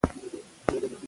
د ناټو پوځي دلګۍ نه پوهېده.